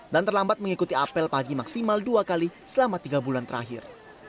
dan terlambat mengikuti apel pagi maksimal dua kali selama tiga bulan terakhir